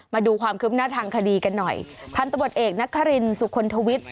มาดูความคืบหน้าทางคดีกันหน่อยพันธบทเอกนครินสุคลทวิทย์